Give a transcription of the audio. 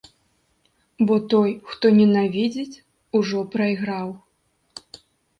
Бо той, хто ненавідзіць, ужо прайграў.